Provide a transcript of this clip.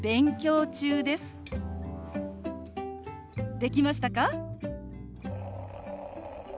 できましたか？